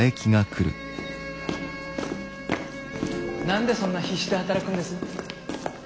何でそんな必死で働くんです？